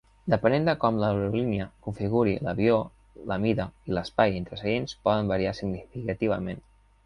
Depenent en com l'aerolínia configuri l'avió, la mida i l'espai entre seients poden variar significativament.